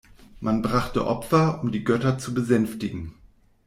Man brachte Opfer, um die Götter zu besänftigen.